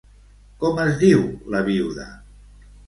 Com es diu la viuda?